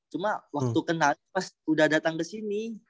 cuma waktu kenal pas udah datang kesini